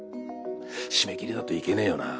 締め切りだと行けねえよなあ。